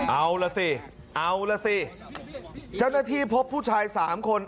เอาล่ะสิเอาล่ะสิเจ้าหน้าที่พบผู้ชายสามคน